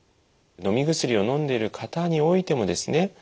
のみ薬をのんでいる方においてもですね